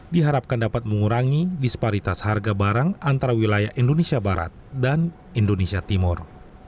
diharapkan dapat mengurangi disparitas harga barang antara wilayah indonesia barat dan indonesia timur